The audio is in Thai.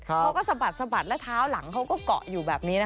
เค้าก็สะบัดแล้วเท้าหลังเค้าก็เกาะอยู่แบบนี้นะ